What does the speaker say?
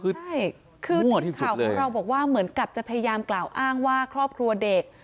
ใช่คือทีมข่าวของเราบอกว่าเหมือนกับจะพยายามกล่าวอ้างว่าครอบครัวเด็ก